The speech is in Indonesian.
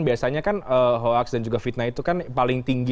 biasanya kan hoax dan juga fitnah itu kan paling tinggi